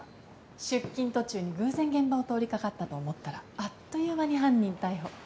出勤途中に偶然現場を通り掛かったと思ったらあっという間に犯人逮捕。